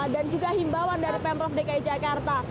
dan juga perhimbauan dari pemprov dki jakarta